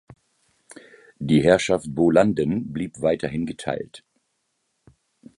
Die Herrschaft Bolanden blieb weiterhin geteilt.